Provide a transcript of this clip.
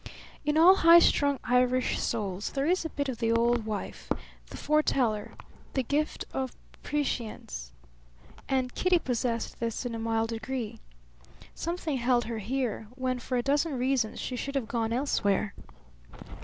In all high strung Irish souls there is a bit of the old wife, the foreteller; the gift of prescience; and Kitty possessed this in a mild degree. Something held her here, when for a dozen reasons she should have gone elsewhere.